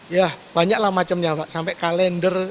ya banyaklah macamnya pak sampai kalender